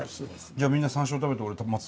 じゃあみんな山椒を食べて。